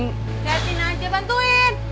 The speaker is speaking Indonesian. gantian aja bantuin